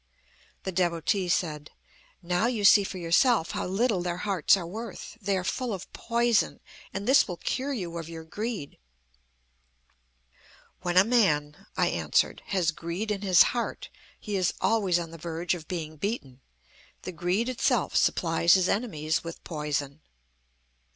The Devotee said: "Now you see for yourself how little their hearts are worth. They are full of poison, and this will cure you of your greed." "When a man," I answered, "has greed in his heart, he is always on the verge of being beaten. The greed itself supplies his enemies with poison."